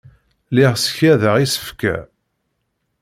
Lliɣ ssekyadeɣ isefka.